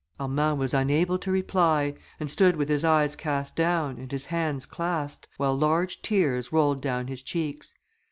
Armand was unable to reply, and stood with his eyes cast down, and his hands clasped, while large tears rolled down his cheeks.